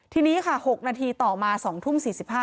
ทีนี้ค่ะ๖นาทีต่อมา๒ทุ่ม๔๕